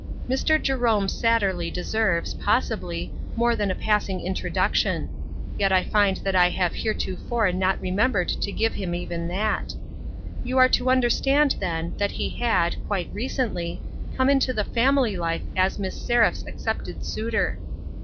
Mr. Jerome Satterley deserves, possibly, more than a passing introduction ; yet I find that I have heretofore not remembered to give him even that. You are to understand, then, that he had, quite recently, come into the family life as Miss Seraph's accepted suitor.